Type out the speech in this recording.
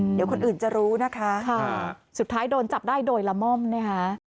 เดี๋ยวคนอื่นจะรู้นะคะสุดท้ายโดนจับได้โดยละม่อมนะคะ